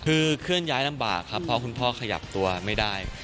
คือเคลื่อนย้ายลำบากครับเพราะคุณพ่อขยับตัวไม่ได้